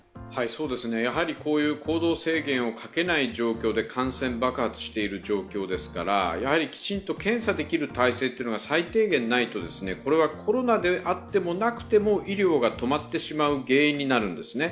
行動制限をかけない状況で感染爆発している状況ですからやはりきちんと検査できる体制が最低限ないと、コロナであってもなくても、医療が止まってしまう原因になるんですね。